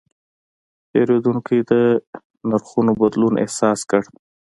پیرودونکی د نرخونو بدلون احساس کړ.